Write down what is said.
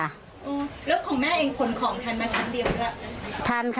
แล้วของแม่เองขนของทันมาชั้นเดียวหรือล่ะ